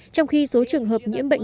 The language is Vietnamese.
trong khi số trường hợp nhiễm bệnh